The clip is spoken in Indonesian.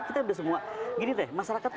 kita udah semua gini deh masyarakat tuh